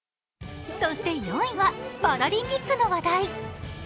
そして４位はパラリンピックの話題。